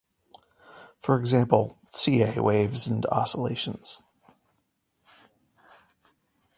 For example, Ca waves and oscillations.